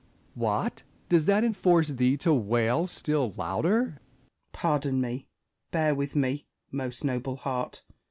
What ! does that enforce thee to wail still louder ? Spenser. Pardon me, bear with me, most noble heart